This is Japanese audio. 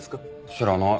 知らない。